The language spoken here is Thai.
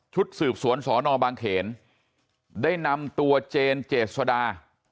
สืบสวนสอนอบางเขนได้นำตัวเจนเจษดา